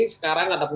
sekarang ada pun